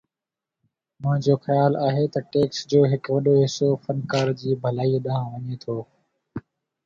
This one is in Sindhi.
منهنجو خيال آهي ته ٽيڪس جو هڪ وڏو حصو فنڪار جي ڀلائي ڏانهن وڃي ٿو